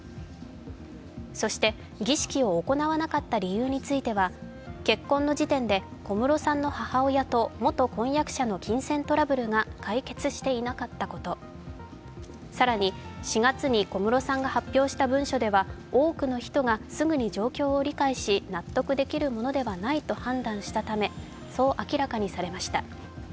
そして儀式を行わなかった理由については結婚の時点で小室さんの母親と元婚約者の金銭トラブルが解決していなかったこと更に４月に小室さんが発表した文書では多くの人がすぐに状況を理解し納得できるものではないと判断したためと明らかにされました。